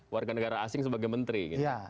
warga negara asing sebagai menteri gitu